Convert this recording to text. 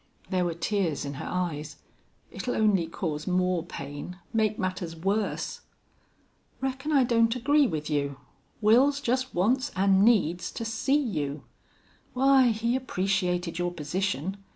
There were tears in her eyes. "It'll only cause more pain make matters worse." "Reckon I don't agree with you. Wils just wants an' needs to see you. Why, he appreciated your position.